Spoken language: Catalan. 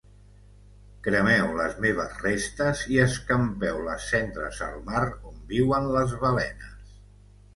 Cremeu les meves restes i escampeu les cendres al mar on viuen les balenes.